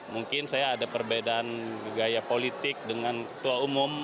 mungkin saya ada perbedaan gaya politik dengan ketua umum